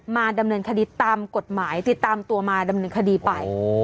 มาดำเนินคดีตามกฎหมายติดตามตัวมาดำเนินคดีไป